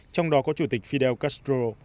trong đó có chủ tịch fidel castro